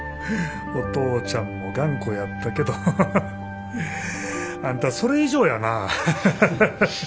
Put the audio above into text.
お父ちゃんも頑固やったけどハハハハあんたそれ以上やな。